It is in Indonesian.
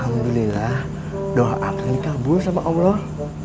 alhamdulillah doa aku ini kabul sama allah